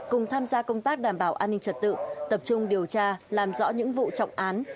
cùng tham gia công tác đảm bảo an ninh trật tự tập trung điều tra làm rõ những vụ trọng án